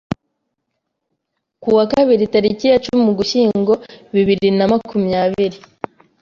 Ku wa Kabiri tariki ya cumi Ugushyingo bibiri na maumyabiri